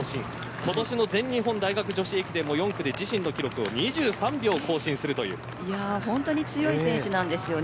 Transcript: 今年の全日本大学女子駅伝も４区で自身の記録を本当に強い選手なんですよね。